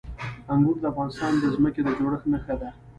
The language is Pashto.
انګور د افغانستان د ځمکې د جوړښت نښه ده.